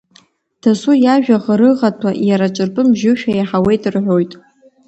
Дасу иажәа ӷарыӷаҭәа, иара ҿырпын бжьушәа иаҳауеит, — рҳәоит.